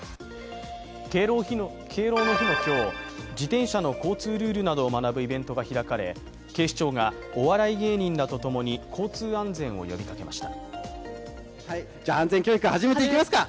敬老の日の今日、自転車の交通ルールなどを学ぶイベントが開かれ警視庁がお笑い芸人らとともに交通安全を呼びかけました。